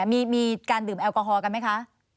มีการดื่มแอลกอฮอลกันไหมคะ